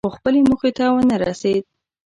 خو خپلې موخې ته ونه رسېد.